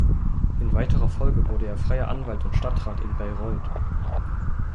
In weiterer Folge wurde er freier Anwalt und Stadtrat in Bayreuth.